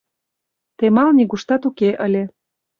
Темал нигуштат уке ыле.